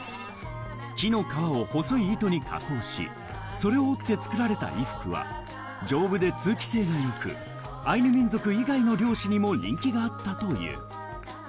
木の皮を細い糸に加工し、それを織って作られた衣服は丈夫で通気性が良く、アイヌ民族以外の漁師にも人気があったという。